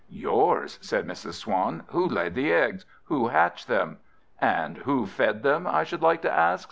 "Yours!" said Mrs. Swan. "Who laid the eggs? who hatched them?" "And who fed them, I should like to ask?"